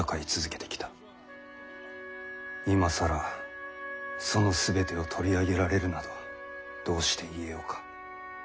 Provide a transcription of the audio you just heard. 今更その全てを取り上げられるなどどうして言えようか。